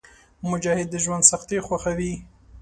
مجاهد د ژوند سختۍ خوښوي.